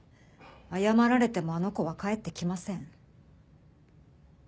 謝られてもあの子は帰ってきません。